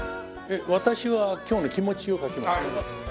私は今日の気持ちを書きます。